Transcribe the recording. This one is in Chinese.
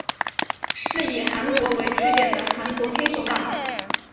是以韩国为据点的韩国黑手党。